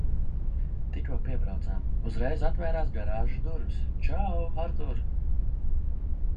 Tikko piebraucām, uzreiz atvērās garāžas durvis. Čau, Artūr!